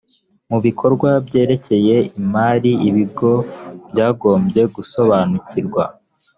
mu bikorwa byerekeye imari ibigo byagombye gusobanukirwa